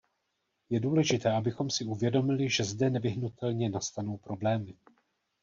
Je důležité, abychom si uvědomili, že zde nevyhnutelně nastanou problémy.